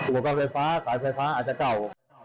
หรือว่าไฟฟ้าสายไฟฟ้าอาจจะเก่า